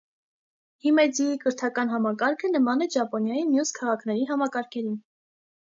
Հիմեձիի կրթական համակարգը նման է ճապոնիայի մյուս քաղաքների համակարգներին։